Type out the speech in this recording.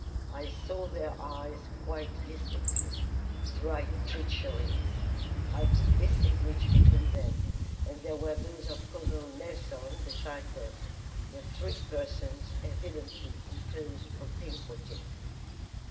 I saw their eyes quite distinctly. Bright treacheries! I could distinguish between them and there were those of Col. Nelson beside them the three persons evidently in close propinquity.